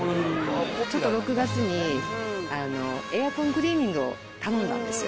ちょっと６月にエアコンクリーニングを頼んだんですよ。